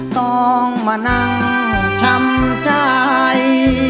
ต้องมานั่งช้ำใจ